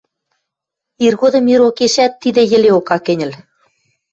Иргодым ирокешӓт тидӹ йӹлеок ак кӹньӹл.